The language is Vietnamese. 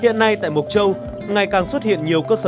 hiện nay tại mộc châu ngày càng xuất hiện nhiều cơ sở đặc thù